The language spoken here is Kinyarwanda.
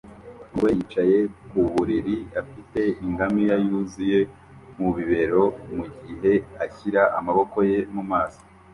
Umugore yicaye ku buriri afite ingamiya yuzuye mu bibero mu gihe ashyira amaboko ye mu maso